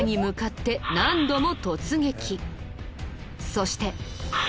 そして。